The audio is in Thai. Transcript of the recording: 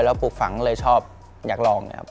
แล้วปลุกฝังก็เลยชอบอยากลอง